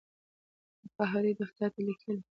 د قاهرې دفتر ته لیکي.